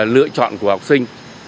lựa chọn của học sinh